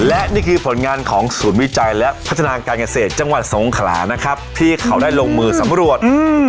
และนี่คือผลงานของศูนย์วิจัยและพัฒนาการเกษตรจังหวัดสงขลานะครับที่เขาได้ลงมือสำรวจ